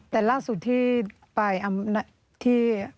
และล่ะสุดที่ไป